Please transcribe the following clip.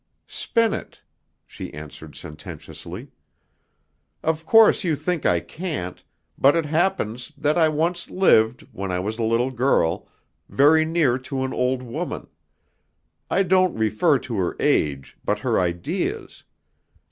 "Spin it," she answered sententiously. "Of course you think I can't, but it happens that I once lived, when I was a little girl, very near to an old woman. I don't refer to her age, but her ideas.